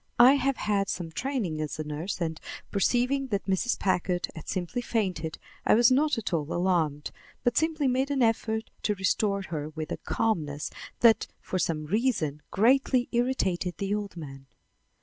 I have had some training as a nurse and, perceiving that Mrs. Packard had simply fainted, I was not at all alarmed, but simply made an effort to restore her with a calmness that for some reason greatly irritated the old man.